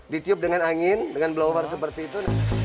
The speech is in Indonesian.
ditiup dengan angin dengan blower seperti itu